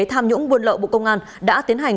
tham nhũng buôn lậu bộ công an đã tiến hành